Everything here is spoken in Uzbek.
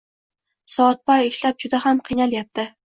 Soatbay ishlab juda ham qiynalayabdi.